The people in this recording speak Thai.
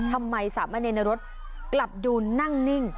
ทำไมสามารถในรถกลับดูนั่งนิ่ง